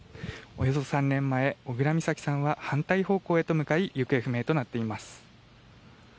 およそ３年前、小倉美咲さんは反対方向へと向かい行方不明となっています。